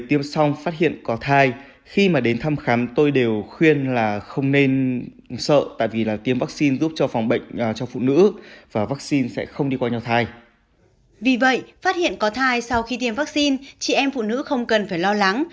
vì vậy phát hiện có thai sau khi tiêm vaccine chị em phụ nữ không cần phải lo lắng